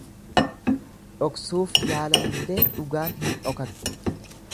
Dhoksuuf yaalanillee dhugaan hin dhokattu.